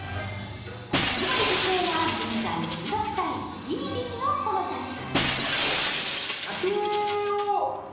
藤森部長は現在１６歳、リーリーのこの写真。